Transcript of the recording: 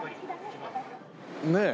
ねえ。